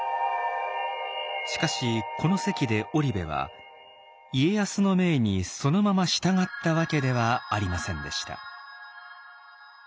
しかしこの席で織部は家康の命にそのまま従ったわけではありませんでした。